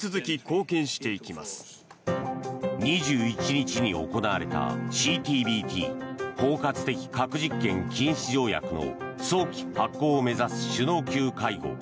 ２１日に行われた、ＣＴＢＴ・包括的核実験禁止条約の早期発効を目指す首脳級会合。